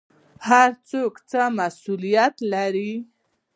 هر څوک څه مسوولیت لري؟